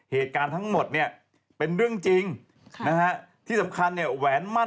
เหตุการณ์ทั้งหมดเป็นเรื่องจริงที่สำคัญแหวนมั่น